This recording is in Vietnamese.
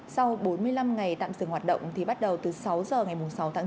sau bốn mươi năm ngày tạm dừng hoạt động thì bắt đầu từ sáu giờ ngày sáu tháng bốn